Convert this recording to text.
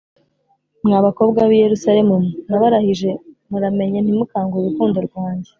Mwa bakobwa b i Yerusalemu mwe narabarahije muramenye ntimukangure urukundo rwanjye